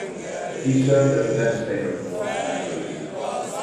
He served as a legislator for three terms.